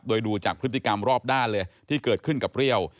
โดยดูจากพฤติกรรมรอบด้านเลยที่เกิดขึ้นกับเปรี้ยว